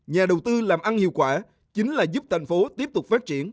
nhà đầu tư làm ăn hiệu quả chính là giúp thành phố tiếp tục phát triển